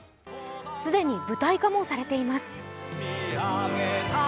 既に舞台化もされています。